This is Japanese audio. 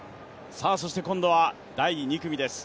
そして今度は第２組です。